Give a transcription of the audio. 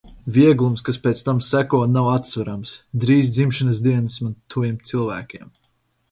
Vieglums, kas pēc tam seko, nav atsverams. Drīz dzimšanas dienas man tuviem cilvēkiem.